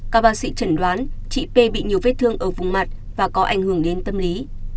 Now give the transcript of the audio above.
các bác sĩ chẩn đoán chị p bị nhiều vết thương ở vùng mặt và có ảnh hưởng đến tâm lý